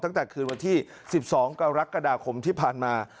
ตั้งแต่คืนวันที่๑๒กรกฎาคมที่ผ่านมา